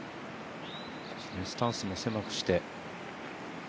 スタンスも狭くして。